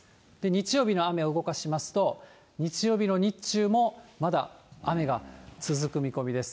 日曜日の雨を動かしますと、日曜日の日中もまだ雨が続く見込みです。